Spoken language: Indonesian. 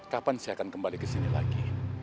kapan saya akan kembali ke sini lagi